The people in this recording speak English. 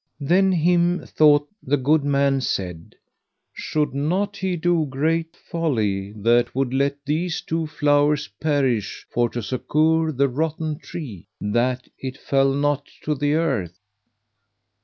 Then him thought the good man said: Should not he do great folly that would let these two flowers perish for to succour the rotten tree, that it fell not to the earth?